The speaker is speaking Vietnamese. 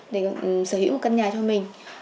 để sở hữu một căn nhà cho mình